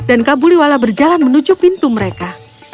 dan kabuliwala berjalan menuju pintu mereka